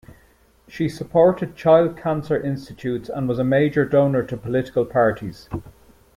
She supported child-cancer institutes and was a major donor to political parties.